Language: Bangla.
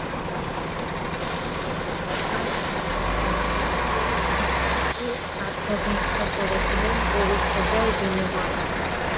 সত্যকে জানার জন্য সরমা ইন্দ্রের কাছ থেকে খাদ্য ভিক্ষা করেছিলেন গরু খোঁজার বিনিময়ে।